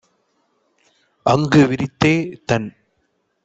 அங்கு விரித்தே - தன்